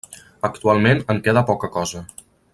Actualment en queda poca cosa.